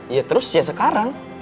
ya terus ya sekarang